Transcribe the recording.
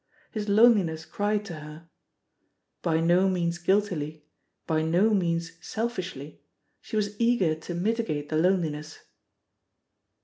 His loneliness cried to her. By no means guilt ily, by no means selfishly, she was eager to miti^ gate the loneliness.